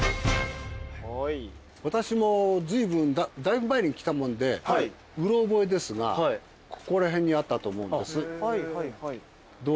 私もずいぶんだいぶ前に来たもんでうろ覚えですがここら辺にあったと思うんです。